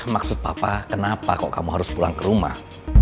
maksud papa kenapa kok kamu harus pulang ke rumah